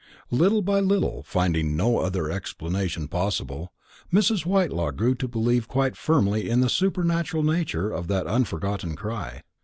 Little by little, finding no other explanation possible, Mrs. Whitelaw grew to believe quite firmly in the supernatural nature of that unforgotten cry.